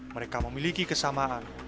mereka memiliki kesamaan